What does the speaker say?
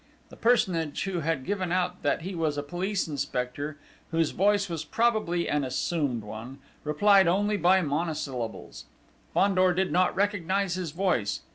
The personage who had given out that he was a police inspector, whose voice was probably an assumed one, replied only by monosyllables. Fandor did not recognise his voice.